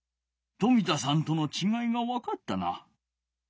冨田さんとのちがいがわかったな！